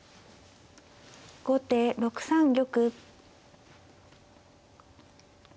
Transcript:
後手６三玉。